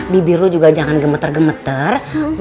bibir lo juga jangan gemeter gemeter